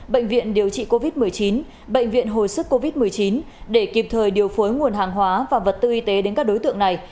bệnh viện hồi sức covid một mươi chín để kịp thời điều phối nguồn hàng hóa và vật tư y tế đến các đối tượng này